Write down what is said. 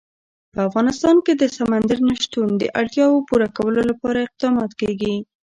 په افغانستان کې د سمندر نه شتون د اړتیاوو پوره کولو لپاره اقدامات کېږي.